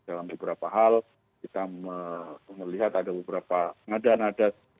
dalam beberapa hal kita melihat ada beberapa nada nada